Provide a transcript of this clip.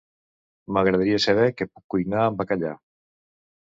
M'agradaria saber què puc cuinar amb bacallà.